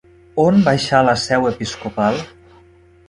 On baixà la seu episcopal?